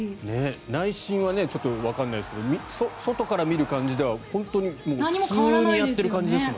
内心はちょっとわからないですけど外から見る感じでは本当に普通にやっている感じですもんね。